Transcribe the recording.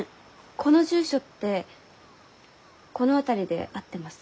この住所ってこの辺りで合ってます？